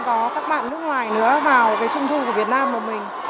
có các bạn nước ngoài nữa vào cái trung thu của việt nam của mình